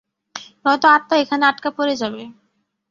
নয়ত আত্মা এখানে আটকা পড়ে যাবে।